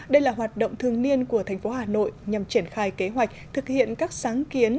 đây là hoạt động thường niên của thành phố hà nội nhằm triển khai kế hoạch thực hiện các sáng kiến